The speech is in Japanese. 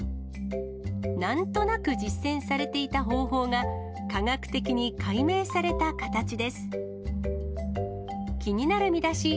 なんとなく実践されていた方法が、科学的に解明された形です。